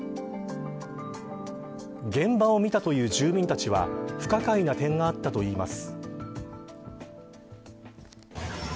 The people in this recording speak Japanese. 現場を見たという住民たちは不可解な点があったといいます。